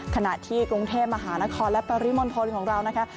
ขณะที่กรุงเทพมหานครและปริมณฑลของเรานะคะ